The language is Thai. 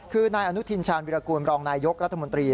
คือนายอนุทินชาญวิรากูลรองนายยกรัฐมนตรี